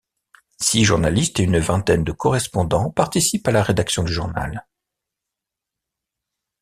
Six journalistes et une vingtaine de correspondants participent à la rédaction du journal.